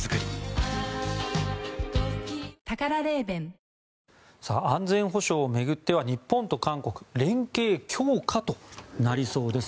東京海上日動安全保障を巡っては日本と韓国連携強化となりそうです。